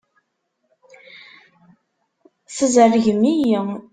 Tzerrgem-iyi.